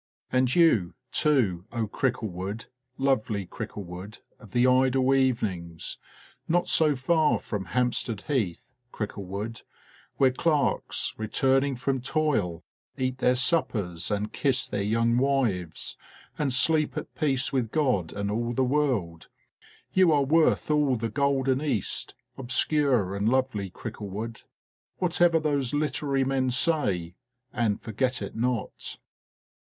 And you, too, O Cricklewood, lovely Cricklewood of the idle evenings, not so far from Hampstead Heath, Cricklewood, where clerks, returning from toil, eat their suppers and kiss their young wives, and sleep at peace with God and all the world, you are worth all the golden East, obscure and lovely Cricklewood, whatever those literary men say and forget it not.